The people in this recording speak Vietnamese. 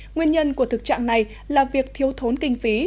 nguyên nhân của thực trạng này là việc thiếu thốn kinh phí